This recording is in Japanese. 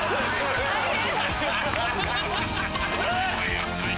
大変。